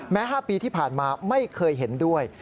๕ปีที่ผ่านมาไม่เคยเห็นด้วย